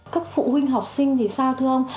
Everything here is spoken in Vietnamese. các phụ huynh học sinh thì sao thưa ông